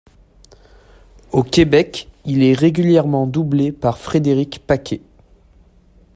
Au Québec, il est régulièrement doublé par Frédéric Paquet.